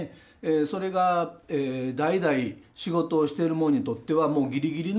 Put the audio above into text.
それが代々仕事をしてる者にとってはギリギリの年数だろうと。